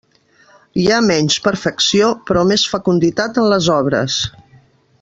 Hi ha menys perfecció, però més fecunditat en les obres.